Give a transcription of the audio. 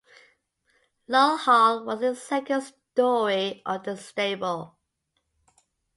Lowell Hall was in the second story of the stable.